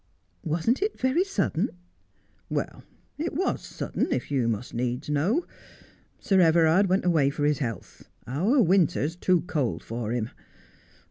' Wasn't it very sudden 1 ' 'Well, it was sudden, if you must needs know. Sir Everard went away for his health. Our winter is too cold for him.